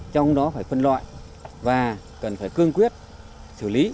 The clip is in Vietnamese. trong đó phải phân loại và cần phải cương quyết xử lý